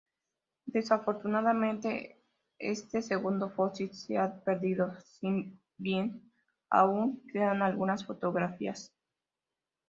Desafortunadamente, este segundo fósil se ha perdido, si bien aún quedan algunas fotografías.